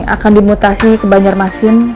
akan dimutasi ke banjarmasin